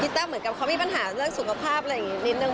ต้าเหมือนกับเขามีปัญหาเรื่องสุขภาพอะไรอย่างนี้นิดนึง